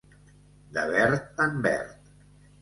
De verd en verd.